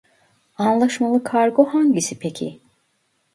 Anlaşmalı kargo hangisi peki